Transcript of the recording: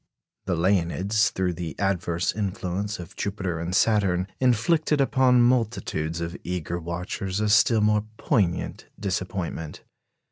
The Leonids, through the adverse influence of Jupiter and Saturn, inflicted upon multitudes of eager watchers a still more poignant disappointment.